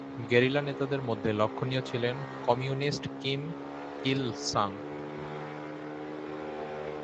Guerrilla নেতাদের মধ্যে লক্ষণীয় ছিলেন কমিউনিস্ট কিম ইল-সাং।